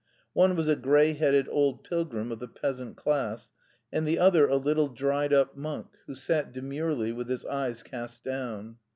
One was a grey headed old pilgrim of the peasant class, and the other a little, dried up monk, who sat demurely, with his eyes cast down.